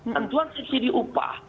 tentuan subsidi upah